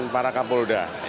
delapan para kapolda